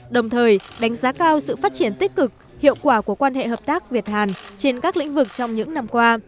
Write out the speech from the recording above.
đồng thời đánh giá cao sự phát triển tích cực hiệu quả của quan hệ hợp tác việt hàn trên các lĩnh vực trong những năm qua